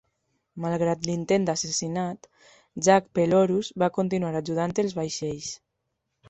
Malgrat l'intent d'assassinat, Jack Pelorus va continuar ajudant els vaixells.